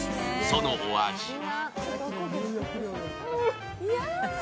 そのお味は？